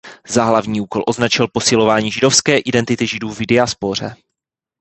Za hlavní úkol označil posilování židovské identity židů v diaspoře.